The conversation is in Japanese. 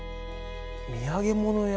「土産物屋」。